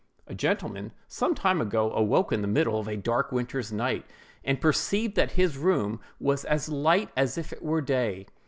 A gentleman, some time ago, awoke in the middle of a dark winter's night, and perceived that his room was as light as if it were day.